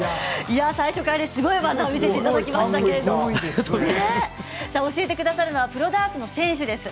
最初からすごい技を見せていただきましたけれど教えてくださるのはプロダーツ選手です。